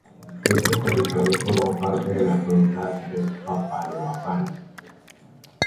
Este territorio forma parte de la cuenca del Papaloapan.